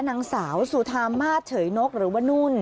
นางสาวสุธามาสเฉยนกหรือว่านุ่น